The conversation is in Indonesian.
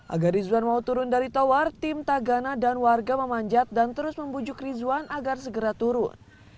agar rizwan mau turun dari tower tim tagana dan warga memanjat dan terus membujuk rizwan agar segera turun